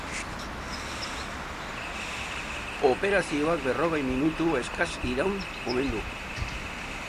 Operazioak berrogei minutu eskas iraun omen du.